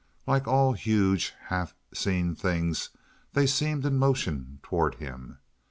Like all huge, half seen things they seemed in motion toward him.